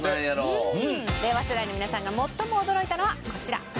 令和世代の皆さんが最も驚いたのはこちら。